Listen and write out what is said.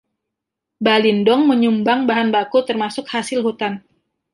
Balindong menyumbang bahan baku termasuk hasil hutan.